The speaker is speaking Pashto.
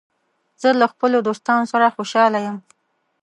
زه له خپلو دوستانو سره خوشاله یم.